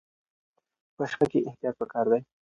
په شپه کې احتیاط پکار دی.